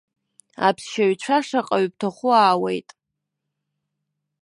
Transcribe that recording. Аԥсшьаҩцәа шаҟаҩы бҭаху аауеит.